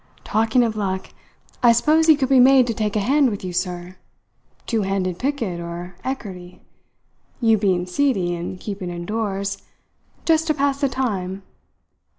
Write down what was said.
"Talking of luck, I suppose he could be made to take a hand with you, sir two handed picket or ekkarty, you being seedy and keeping indoors just to pass the time.